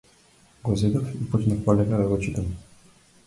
Го зедов и почнав полека да го читам.